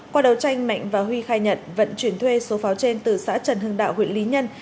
qua đầu tranh mạnh và huy khai nhận vận chuyển thuê số pháo trên từ xã trần hưng đạo huyện lý nhân